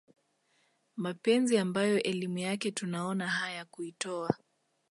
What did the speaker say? mapenzi ambayo elimu yake tunaona haya kuitowa